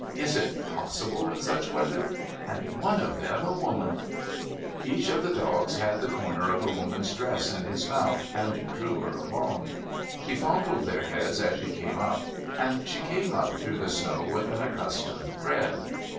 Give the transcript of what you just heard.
' Is it possible in such weather ! And one of them a woman !' Each of the dogs had the corner of a woman's dress in its mouth, and drew her along. She fondled their heads as she came up, and she came up through the snow with an accustomed tread.